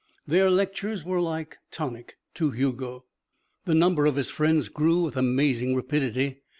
Their lectures were like tonic to Hugo. The number of his friends grew with amazing rapidity.